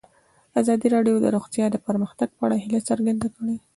ازادي راډیو د روغتیا د پرمختګ په اړه هیله څرګنده کړې.